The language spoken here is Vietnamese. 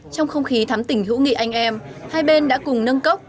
trong không khí thắm tỉnh hữu nghị anh em hai bên đã cùng nâng cốc